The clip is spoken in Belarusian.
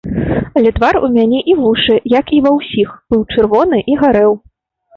Але твар у мяне і вушы, як і ўва ўсіх, быў чырвоны і гарэў.